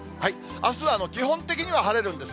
あすは基本的には晴れるんです。